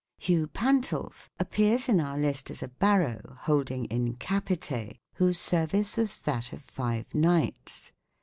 Hugh Pantulf appears in our list as a " baro " holding "in capite," whose service was that of five knights.